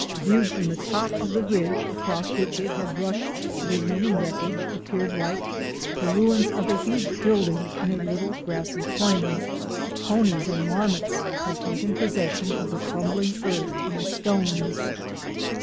Viewed from the top of the ridge across which it had rushed the remaining wreckage appeared like the ruins of a huge building in a little grassy plain. Conies and marmots had taken possession of the crumbling earth and stones.